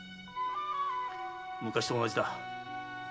昔と同じだ。